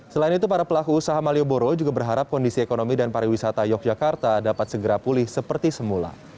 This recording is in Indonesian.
selain itu para pelaku usaha malioboro juga berharap kondisi ekonomi dan pariwisata yogyakarta dapat segera pulih seperti semula